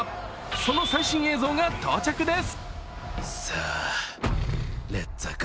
その最新映像が到着です。